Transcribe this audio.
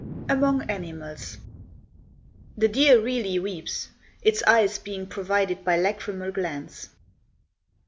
AMONG ANIMALS. The deer really weeps, its eyes being provided with lachrymal glands.